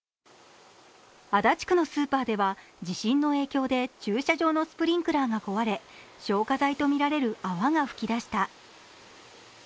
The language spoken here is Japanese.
足立区のスーパーでは地震の影響で駐車場のスプリンクラーが壊れ消火剤とみられる泡が吹き出した。